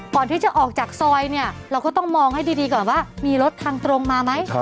ก่อนที่จะออกจากซอยเนี่ยเราก็ต้องมองให้ดีก่อนว่ามีรถทางตรงมาไหม